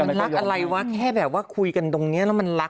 ต้องมีแต่คนในโซเชียลว่าถ้ามีข่าวแบบนี้บ่อยทำไมถึงเชื่อขนาดใด